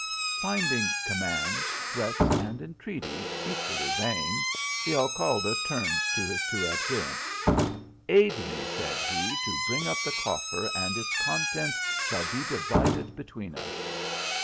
Finding commands, threats, and entreaties equally vain, the Alcalde turned to his two adherents. " Aid me," said he, " to bring up the coffer, and its con tents shall be divided between us."